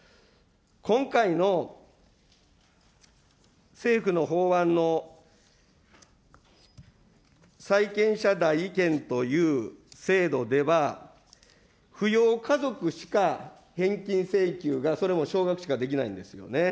今回の政府の法案の債権者代位権という制度では、扶養家族しか返金請求がそれも少額しかできないんですよね。